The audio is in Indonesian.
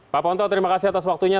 pak ponto terima kasih atas waktunya